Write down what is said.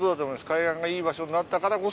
海岸がいい場所になったからこそ。